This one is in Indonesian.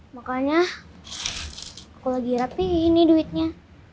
makanya aku lagi rapi nih duitnya